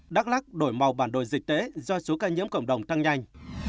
đắk lắc đổi màu bản đồ dịch tễ do số ca nhiễm cộng đồng tăng nhanh